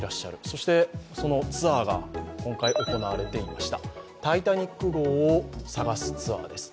そしてそのツアーが今回行われていました。